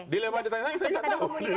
dilema ditanya saya saya tidak tahu